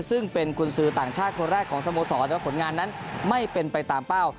ซึ่งเป็นกุญสือต่างชาติคนแรกของสโมสรแต่ว่าผลงานนั้นไม่เป็นไปตามเป้า